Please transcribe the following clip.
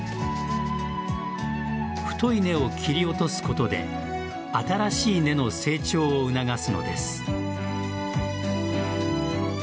太い根を切り落とすことで新しい根の成長を促すのです。